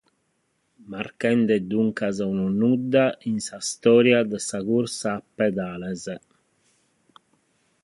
Marchende duncas unu nudda in s’istòria de sa cursa a pedales.